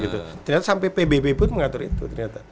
ternyata sampai pbb pun mengatur itu ternyata